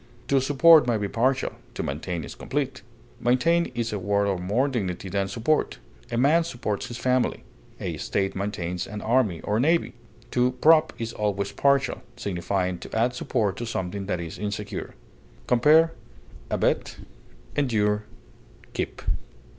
To support may be partial, to maintain is complete; maintain is a word of more dignity than support; a man supports his family; a state maintains an army or navy. To prop is always partial, signifying to add support to something that is insecure. Compare ABET; ENDURE; KEEP.